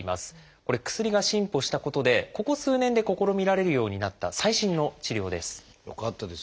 これ薬が進歩したことでここ数年で試みられるようになった最新の治療です。